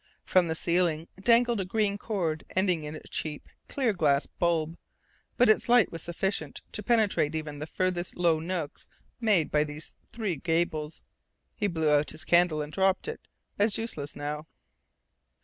From the ceiling dangled a green cord ending in a cheap, clear glass bulb, but its light was sufficient to penetrate even the farthest low nooks made by the three gables. He blew out his candle and dropped it, as useless now.